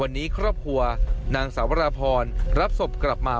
วันนี้ครอบครัวนางสาวราพรรับศพกลับมา